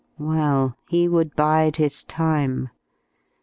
Well, he would bide his time.